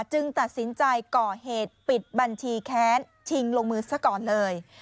จึงตัดสินใจก่อเหตุปิดบัญชีแค้นชิงลงมือซะก่อนเลย